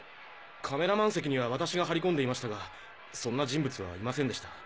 カメラマン席には私が張り込んでいましたがそんな人物はいませんでした。